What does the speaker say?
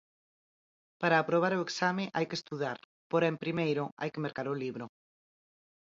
Para aprobar o exame hai que estudar, porén primeiro hai que mercar o libro.